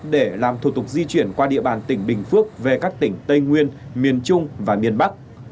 để làm thủ tục di chuyển qua địa bàn tỉnh bình phước về các tỉnh tây nguyên miền trung và miền bắc